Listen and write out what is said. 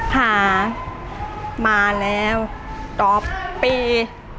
พามาแล้วต่อปี๕